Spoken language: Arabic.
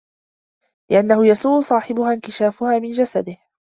لِأَنَّهُ يَسُوءُ صَاحِبَهَا انْكِشَافُهَا مِنْ جَسَدِهِ